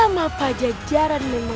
nama pajak jaranmu